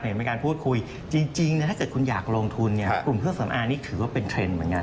เห็นมีการพูดคุยจริงถ้าเกิดคุณอยากลงทุนเนี่ยกลุ่มเครื่องสำอางนี่ถือว่าเป็นเทรนด์เหมือนกัน